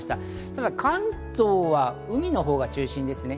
ただ、関東は海のほうが中心ですね。